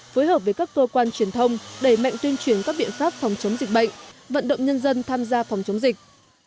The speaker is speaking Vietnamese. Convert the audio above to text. phối hợp với các cơ quan truyền thông đẩy mạnh tuyên truyền các biện pháp phòng chống dịch bệnh vận động nhân dân tham gia phòng chống dịch